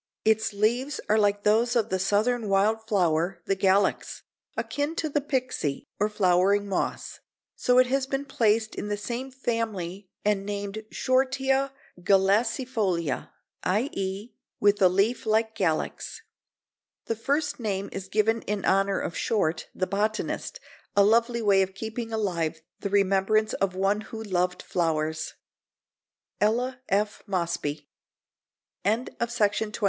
Its leaves are like those of the southern wild flower, the Galax, akin to the Pyxie or flowering moss, so it has been placed in the same family and named Shortia galacifolia, i. e., with a leaf like Galax. The first name is given in honor of Short, the botanist, a lovely way of keeping alive the remembrance of one who loved flowers. Ella F. Mosby. [Illustration: POLAR BEAR.